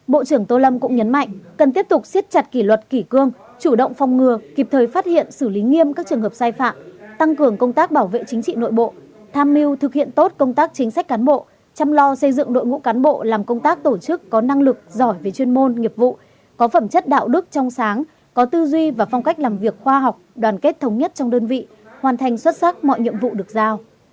bộ trưởng tô lâm cũng nhấn mạnh cần tiếp tục xiết chặt kỷ luật kỷ cương chủ động phong ngừa kịp thời phát hiện xử lý nghiêm các trường hợp sai phạm tăng cường công tác bảo vệ chính trị nội bộ tham mưu thực hiện tốt công tác chính sách cán bộ chăm lo xây dựng đội ngũ cán bộ làm công tác tổ chức có năng lực giỏi về chuyên môn nghiệp vụ có phẩm chất đạo đức trong sáng có tư duy và phong cách làm việc khoa học đoàn kết thống nhất trong đơn vị hoàn thành xuất sắc mọi nhiệm vụ được giao